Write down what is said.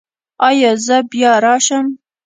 ایا زه بیا راشم؟